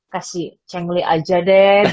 kasih cengli aja deh